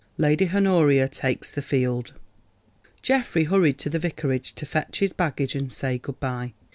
LADY HONORIA TAKES THE FIELD Geoffrey hurried to the Vicarage to fetch his baggage and say good bye.